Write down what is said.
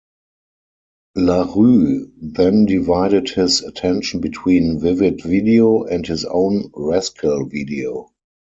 LaRue then divided his attention between Vivid Video; and his own Rascal Video.